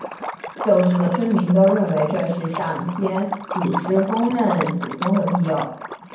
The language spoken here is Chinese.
旧时的村民都认为这是上天祖师公与祖宗的庇护。